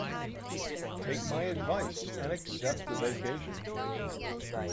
Take my advice and accept the vacation.